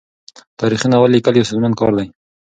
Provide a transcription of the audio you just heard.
تاریخي ناول لیکل یو ستونزمن کار دی.